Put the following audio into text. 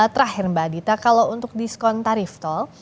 terakhir mbak adita kalau untuk diskon tarif tol